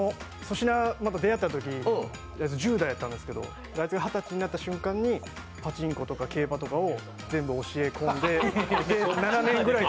出会ったとき、１０代だったんですけど、あいつが二十歳になった瞬間にパチンコとか競馬とかを全部教え込んで、７年ぐらい。